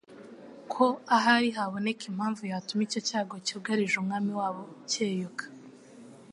ko ahari haboneka impamvu yatuma icyo cyago cyugarije Umwami wabo cyeyuka.